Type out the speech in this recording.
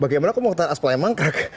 bagaimana aku mau ketahui aspal yang mangkrak